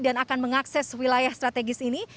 dan akan mengakses wilayah strategis ini